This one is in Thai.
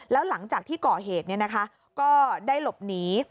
แล้วหลังจากที่ก่อเหตุเนี่ยนะคะก็ได้หลบหนี